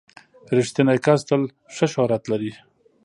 • رښتینی کس تل ښه شهرت لري.